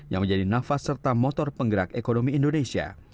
yang menjadi nafas serta motor penggerak ekonomi indonesia